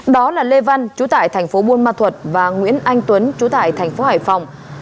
đó là lê văn chú tải tp buôn ma thuật và nguyễn anh tuấn chú tải tp hải phòng